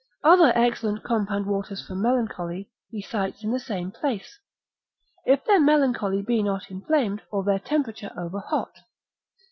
Other excellent compound waters for melancholy, he cites in the same place. If their melancholy be not inflamed, or their temperature over hot.